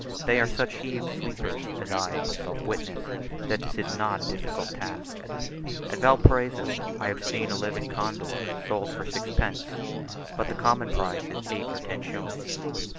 They are such heavy sleepers, as I have myself witnessed, that this is not a difficult task. At Valparaiso, I have seen a living condor sold for sixpence, but the common price is eight or ten shillings.